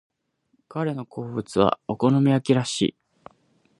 彼の好物はお好み焼きらしい。